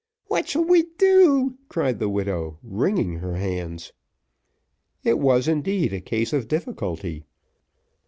"What shall we do?" cried the widow, wringing her hands. It was indeed a case of difficulty.